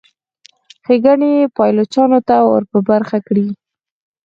ښېګڼې یې پایلوچانو ته ور په برخه کړي.